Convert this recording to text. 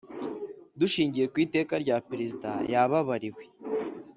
Dushingiye ku Iteka rya Perezida yababariwe